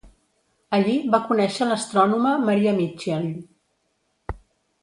Allí va conèixer l'astrònoma Maria Mitchell.